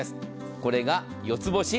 これが四つ星。